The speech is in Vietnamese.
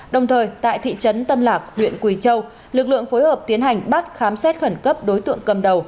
đồng thời tại thị trấn tân lạc huyện quỳ châu lực lượng phối hợp tiến hành bắt khám xét khẩn cấp đối tượng cầm đầu